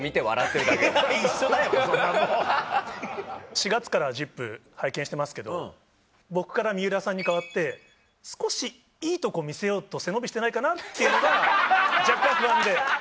４月から『ＺＩＰ！』拝見してますけど僕から水卜さんに変わって少しいいとこ見せようと背伸びしてないかなっていうのが若干不安で。